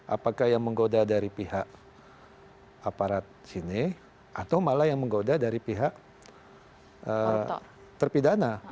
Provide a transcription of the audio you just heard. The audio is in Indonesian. apakah yang menggoda dari pihak aparat sini atau malah yang menggoda dari pihak terpidana